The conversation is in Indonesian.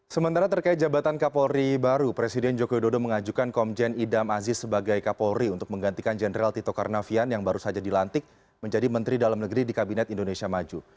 sementara terkait jabatan kapolri baru presiden jokowi dodo mengajukan komjen idam aziz sebagai kapolri untuk menggantikan jenderal tito karnavian yang baru saja dilantik menjadi menteri dalam negeri di kabinet indonesia maju